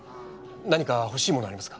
何か欲しいものありますか？